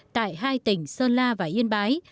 tại hai tỉnh sơn la và yên bái